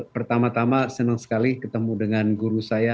pertama tama senang sekali ketemu dengan guru saya